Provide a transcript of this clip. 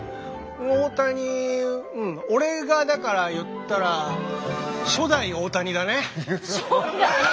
大谷うん俺がだから言ったら初代大谷。